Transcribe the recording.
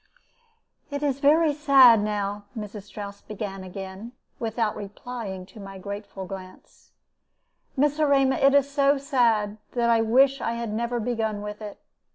"It is very sad now," Mrs. Strouss began again, without replying to my grateful glance; "Miss Erema, it is so sad that I wish I had never begun with it.